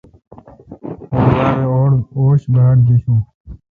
اں مودہ می اوش باڑگشوں۔